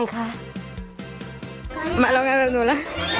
กลัวอะไรคะมาลองหน่อยร่างหนูนะ